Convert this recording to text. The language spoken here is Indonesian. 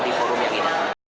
ya terima kasih